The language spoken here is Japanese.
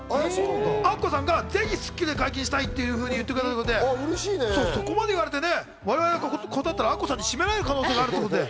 アッコさんがぜひ『スッキリ』で解禁したいと言ってくれたってことで、そこまで言われて我々断ったらアッコさんに締められる可能性がある。